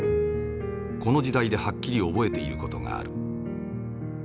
この時代ではっきり覚えている事がある。